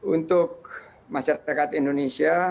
untuk masyarakat indonesia